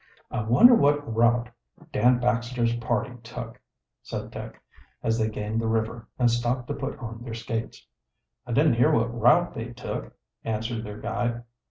"I wonder what route Dan Baxter's party took," said Dick, as they gained the river, and stopped to put on their skates. "I didn't hear what route they took," answered their guide.